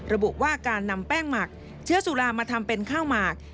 ระบุว่าการนำแป้งหมักเชื้อสุรามาทำเป็นข้าวหมาก